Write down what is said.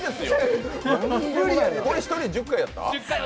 １人１０回やった？